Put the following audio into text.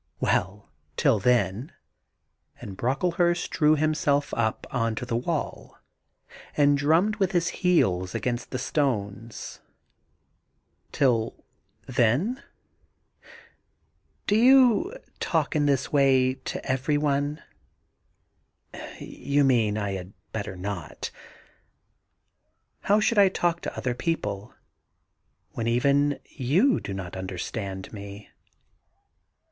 Well 1 — till then ' and Brocklehurst drew himself up on to the wall and drummed with his heels against the stones. 26 THE GARDEN GOD •TiUthen?' * Do you talk in this way to every one ?'* You mean I had better not ? How should I talk to other people, when even you do not understand me?'